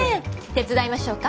手伝いましょうか？